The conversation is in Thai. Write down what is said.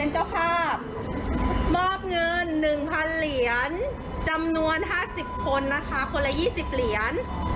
เจ้าภาพมอบเงิน๑๐๐เหรียญจำนวน๕๐คนนะคะคนละ๒๐เหรียญ